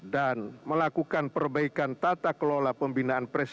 dan melakukan perbaikan tata kelola pembinaan prestasi